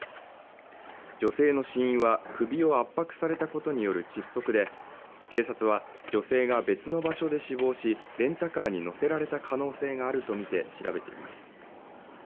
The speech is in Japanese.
女性の死因は首を圧迫されたことによる窒息で警察は女性が別の場所で死亡しレンタカーに乗せられた可能性があるとみて調べています